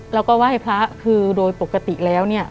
แล้วก็ไหว้พระคือโดยปกติแล้วเนี่ย